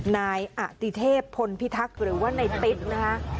นายอติเทพพลพิทักษ์หรือว่าในติ๊กนะคะ